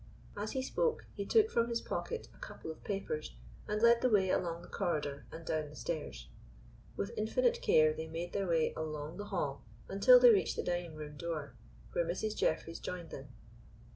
As he spoke he took from his pocket a couple of papers, and led the way along the corridor and down the stairs. With infinite care they made their way along the hall until they reached the dining room door, where Mrs. Jeffreys joined them.